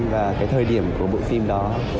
và cái thời điểm của bộ phim đó